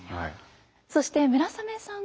そして村雨さん